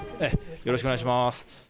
よろしくお願いします。